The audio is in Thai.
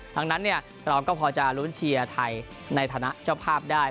ดังนั้นเราก็พอจะลุ้นเชียร์ไทยในฐานะเจ้าภาพได้